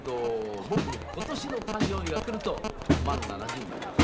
僕今年の誕生日が来ると満７０になります。